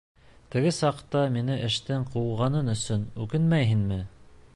Теге саҡта мине эштән ҡыуғаның өсөн үкенмәйһеңме?